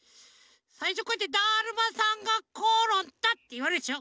さいしょこうやって「だるまさんがころんだ！」っていわれるでしょ。